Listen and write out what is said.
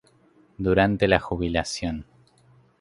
Durante la jubilación